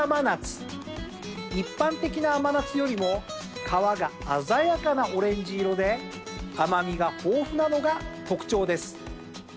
一般的な甘夏よりも皮が鮮やかなオレンジ色で甘味が豊富なのが特徴です。